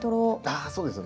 あそうですね。